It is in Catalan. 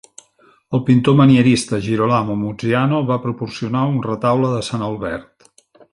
El pintor manierista Girolamo Muziano va proporcionar un retaule de "Sant Albert".